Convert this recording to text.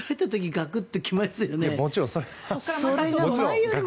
ガクッときますけど。